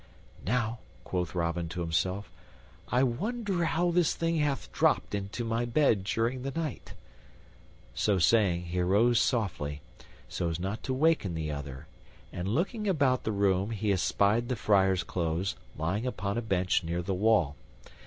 "Now," quoth Robin to himself, "I wonder how this thing hath dropped into my bed during the night." So saying, he arose softly, so as not to waken the other, and looking about the room he espied the friar's clothes lying upon a bench near the wall.